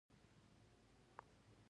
ایا ستاسو غرور به پر ځای وي؟